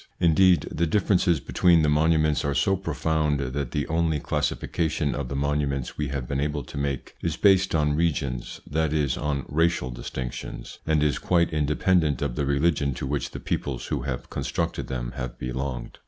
Indeed, the differences between the monuments are so profound, that the only classification of the monu ments we have been able to make is based on regions, that is on racial distinctions, and is quite independent of the religion to which the peoples who have con structed them have belonged.